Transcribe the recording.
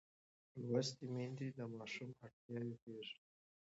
لوستې میندې د ماشوم اړتیاوې پېژني.